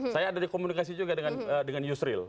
saya ada dikomunikasi juga dengan yusril